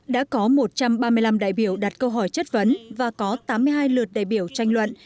đã có một trăm ba mươi năm đại biểu đặt câu hỏi chất vấn và có tám mươi hai lượt đại biểu tranh luận